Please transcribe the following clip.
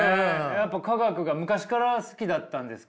やっぱ化学が昔から好きだったんですか？